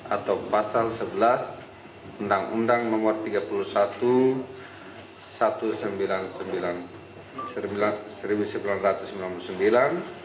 atau pasal sebelas undang undang nomor tiga puluh satu tahun seribu sembilan ratus sembilan puluh sembilan